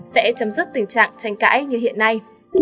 sẽ chấm dứt tình trạng tranh cãi như hiện nay